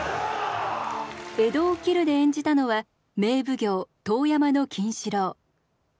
「江戸を斬る」で演じたのは名奉行遠山の金四郎。